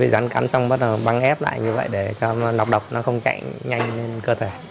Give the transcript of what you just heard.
rắn cắn xong bắt đầu băng ép lại như vậy để cho độc độc nó không chạy nhanh lên cơ thể